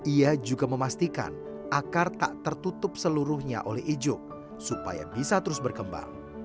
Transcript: ia juga memastikan akar tak tertutup seluruhnya oleh ijuk supaya bisa terus berkembang